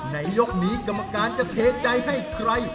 ในยกนี้กรรมการจะเทใจให้ใคร